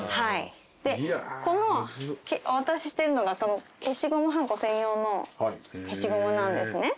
このお渡ししてるのが消しゴムはんこ専用の消しゴムなんですね。